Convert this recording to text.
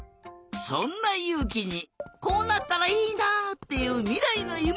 そんなゆうきにこうなったらいいな！っていうみらいのゆめをきいてみよう！